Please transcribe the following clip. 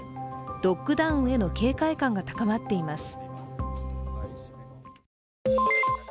ロックダウンへの警戒感が高まっています。